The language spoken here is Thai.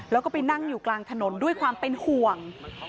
แล้วก็ไปนั่งอยู่กลางถนนด้วยความเป็นห่วง